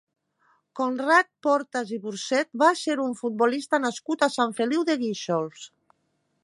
Conrad Portas i Burcet va ser un futbolista nascut a Sant Feliu de Guíxols.